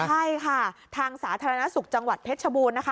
ใช่ค่ะทางสาธารณสุขจังหวัดเพชรชบูรณนะคะ